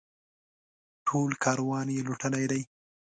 ټول کاروان یې لوټلی دی.